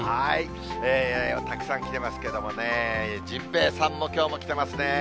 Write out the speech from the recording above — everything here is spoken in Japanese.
たくさん来てますけどもね、甚平さんもきょうは来てますね。